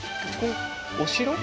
お城？